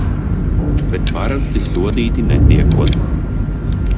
Bet parasti sodīti netiekot.